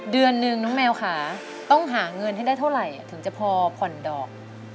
เดือนนึงน้องแมวค่ะต้องหาเงินให้ได้เท่าไหร่ถึงจะพอผ่อนดอก